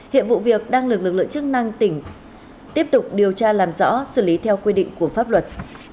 hiện vụ việc đang được lực lượng chức năng tỉnh tiếp tục điều tra làm rõ xử lý theo quy định của pháp luật